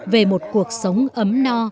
về một cuộc sống ấm no